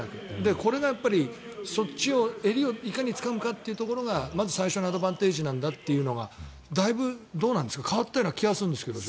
これが襟をいかにつかむかというところがまず最初のアドバンテージなんだというのがだいぶ変わった気がするんですけど。